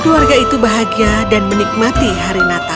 keluarga itu bahagia dan menikmati hari natal